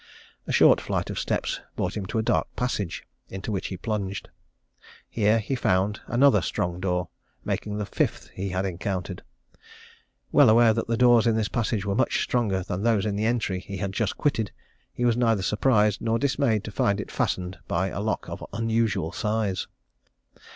A short flight of steps brought him to a dark passage, into which he plunged. Here he found another strong door, making the fifth he had encountered. Well aware that the doors in this passage were much stronger than those in the entry he had just quitted, he was neither surprised nor dismayed to find it fastened by a lock of unusual size.